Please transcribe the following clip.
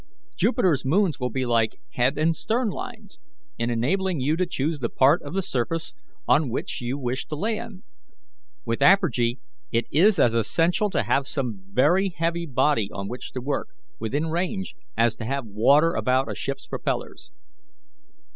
Jupiter's moons will be like head and stern lines in enabling you to choose the part of the surface on which you wish to land. With apergy it is as essential to have some heavy body on which to work, within range, as to have water about a ship's propellers.